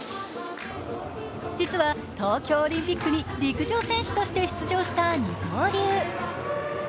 実は東京オリンピックに陸上選手として出場した二刀流。